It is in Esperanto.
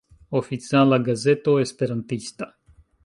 Oficiala Gazeto Esperantista.